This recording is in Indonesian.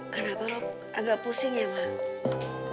kenapa lo agak pusing ya mak